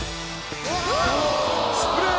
スプレー